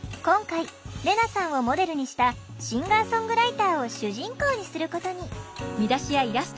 今回レナさんをモデルにしたシンガーソングライターを主人公にすることに。